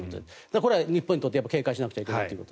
これは日本にとって警戒しないといけない。